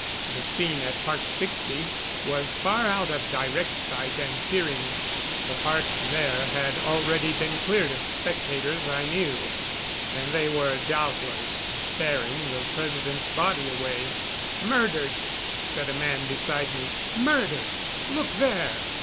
The scene at Park Sixty was far out of direct sight and hearing. The park there had already been cleared of spectators, I knew; and they were doubtless bearing the President's body away. "Murdered!" said a man beside me. "Murdered! Look there!"